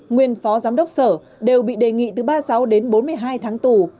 nguyên phó giám đốc sở đều bị đề nghị từ ba mươi sáu đến bốn mươi hai tháng tù